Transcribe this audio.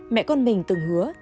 mẹ con mình từng hứa